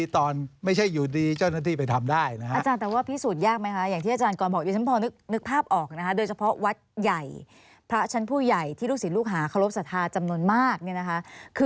ที่ลูกศิษย์ลูกหาเคารพสถาจำนวนมาก